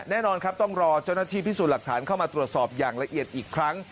แน่นอนครับต้องรอเจ้าหน้าที่พิสูจน์หลักฐานเข้ามาตรวจสอบอย่างละเอียดอีกครั้ง